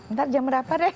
ntar jam berapa deh